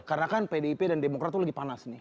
karena kan pdip dan demokrat tuh lagi panas nih